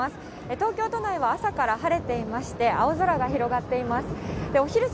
東京都内は朝から晴れていまして、青空が広がっています。